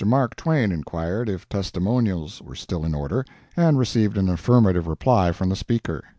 Mark Twain inquired if testimonials were still in order, and received an affirmative reply from the Speaker.